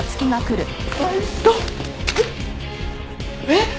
えっ！？